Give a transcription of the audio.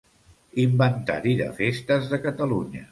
Inventari de festes de Catalunya.